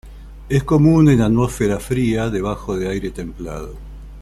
Es común en atmósfera fría debajo de aire templado.